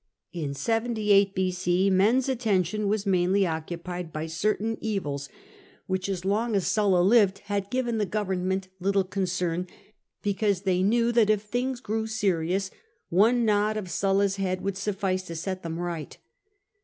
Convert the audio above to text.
In 78 B.c. men's attention was mainly occupied by certain evils, which, as long as Sulla lived, had given the govern ment little concern, because they knew that, if things grew serious, one nod of Sulla's head would suffice to set them right.